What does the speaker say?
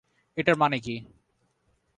এটার মানে কি?